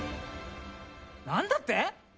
何だって？